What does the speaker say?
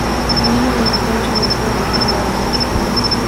Wanyama wenye ugonjwa wa miguu na mdomo mara nyingi hawafi